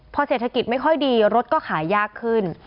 พอเศรษฐกิจไม่ค่อยดีรถก็ขายยากขึ้น